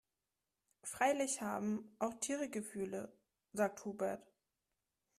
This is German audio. "Freilich haben auch Tiere Gefühle", sagt Hubert.